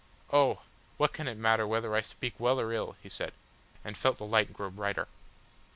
"Oh! what can it matter whether I speak well or ill?" he said, and felt the light grow brighter.